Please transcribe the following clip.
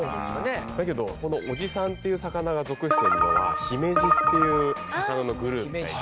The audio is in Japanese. だけどこのオジサンっていう魚が属してるのはヒメジっていう魚のグループ。